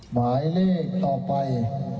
หมายเลขต่อไป